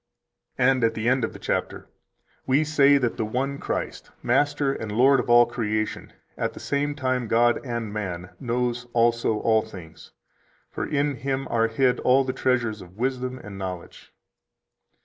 140 And at the end of the chapter: "We say that the one Christ, Master, and Lord of all creation, at the same time God and man, knows also all things. For in Him are hid all the treasures of wisdom and knowledge."